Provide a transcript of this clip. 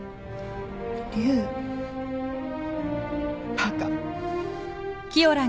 バカ。